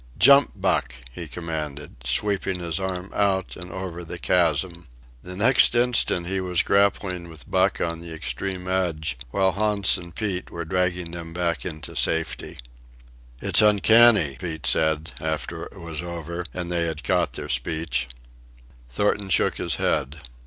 "Jump, Buck!" he commanded, sweeping his arm out and over the chasm. The next instant he was grappling with Buck on the extreme edge, while Hans and Pete were dragging them back into safety. "It's uncanny," Pete said, after it was over and they had caught their speech. Thornton shook his head.